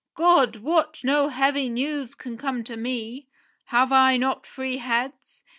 "God wot no heavy news can come to me. Have I not three heads